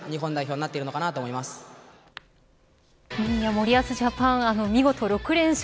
森保ジャパン、見事６連勝。